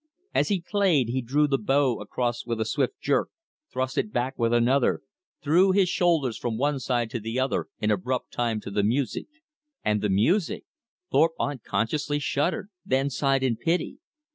As he played, he drew the bow across with a swift jerk, thrust it back with another, threw his shoulders from one side to the other in abrupt time to the music. And the music! Thorpe unconsciously shuddered; then sighed in pity.